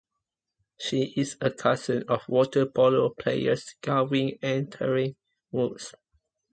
She is a cousin of water polo players Gavin and Taryn Woods.